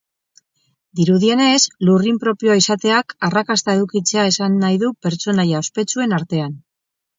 Dirudienez, lurrin propioa izateak arrakasta edukitzea esan nahi du pertsonaia ospetsuen artean.